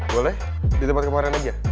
boleh di tempat kemarin aja